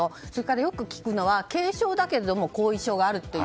よく聞くのは軽症だけれども後遺症があるという。